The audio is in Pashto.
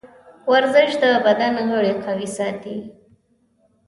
ورزش د بدن غړي قوي ساتي.